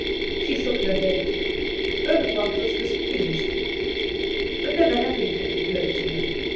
She shook her head. Bonaparte was displeased. But then a happy thought occurred to him.